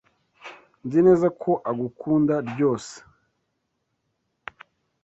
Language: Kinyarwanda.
Nzineza ko agukunda ryose